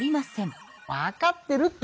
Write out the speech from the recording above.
わかってるって！